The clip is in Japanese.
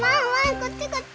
こっちこっち！